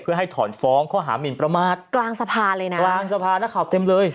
เพื่อให้ถอนฟ้องข้อหามินประมาทกลางสภาเลยนะกลางสภานักข่าวเต็มเลย